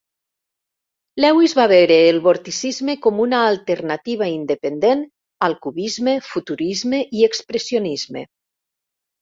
Lewis va veure el vorticisme com una alternativa independent al cubisme, futurisme i expressionisme.